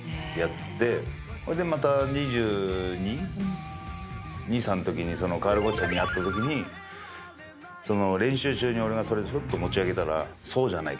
それでまた２２２２２３の時にカール・ゴッチさんに会った時に練習中に俺がそれでスッと持ち上げたら「そうじゃない。